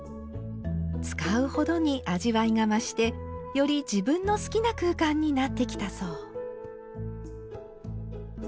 使うほどに味わいが増してより自分の好きな空間になってきたそう。